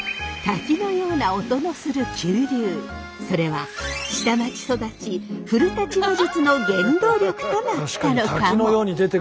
それは下町育ち古話術の原動力となったのかも。